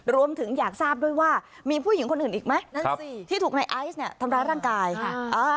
รวมถึงอยากทราบด้วยว่ามีผู้หญิงคนอื่นอีกไหมนั่นสิที่ถูกในไอซ์เนี่ยทำร้ายร่างกายค่ะ